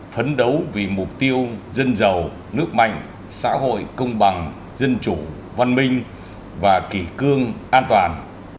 phấn đấu vì mục tiêu dân giàu nước mạnh xã hội công bằng dân chủ văn minh và kỷ cương an toàn